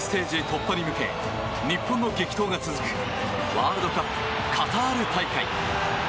突破に向け日本の激闘が続くワールドカップカタール大会。